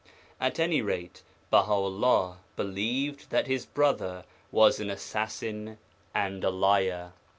At any rate Baha 'ullah believed that his brother was an assassin and a liar.